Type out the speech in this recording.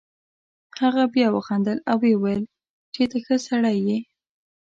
هغه بیا وخندل او ویې ویل چې ته ښه سړی یې.